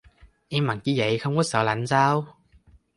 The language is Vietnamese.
Em mặc như vậy không có sợ lạnh sao